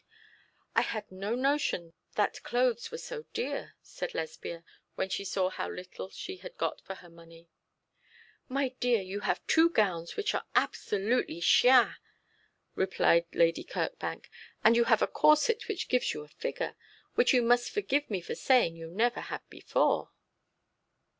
'I had no notion that clothes were so dear,' said Lesbia, when she saw how little she had got for her money. 'My dear, you have two gowns which are absolutely chien,' replied Lady Kirkbank, 'and you have a corset which gives you a figure, which you must forgive me for saying you never had before.'